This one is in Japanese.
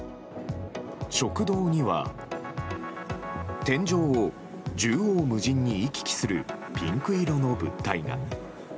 食堂には、天井を縦横無尽に行き来するピンク色の物体が。